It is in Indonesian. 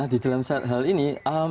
di dalam hal ini